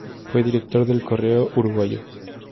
Fue director del Correo Uruguayo.